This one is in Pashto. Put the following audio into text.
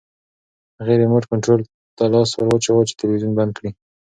هغې ریموټ کنټرول ته لاس ورواچاوه چې تلویزیون بند کړي.